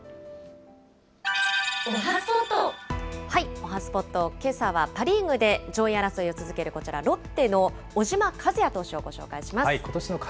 おはＳＰＯＴ、けさはパ・リーグで上位争いを続けるこちら、ロッテの小島和哉投手をご紹介します。